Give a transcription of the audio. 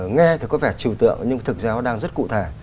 nghe có vẻ trừu tượng nhưng thực ra nó đang rất cụ thể